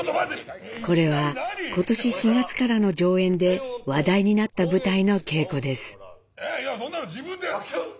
これは今年４月からの上演で話題になった舞台の稽古です。